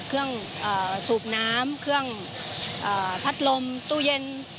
เครื่องสูบน้ำเครื่องพัดลมตู้เย็น